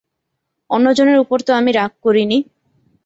অন্য জনের উপর তো আমি রাগ করি নি।